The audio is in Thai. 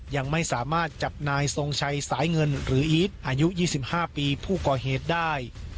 ยังไม่สามารถจับนายทรงชัยสายเงินหรืออีทอายุ๒๕ปีผู้ก่อเหตุได้